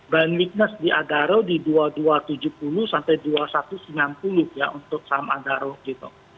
band migness di adaro di dua ribu dua ratus tujuh puluh sampai dua ribu satu ratus sembilan puluh ya untuk saham adaro gitu